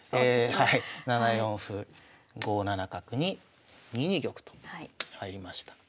７四歩５七角に２二玉と入りました。